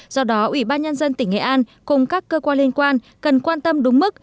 do đó ủy ban nhân dân tỉnh nghệ an cùng các cơ quan liên quan cần quan tâm đúng mức